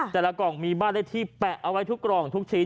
กล่องมีบ้านเลขที่แปะเอาไว้ทุกกล่องทุกชิ้น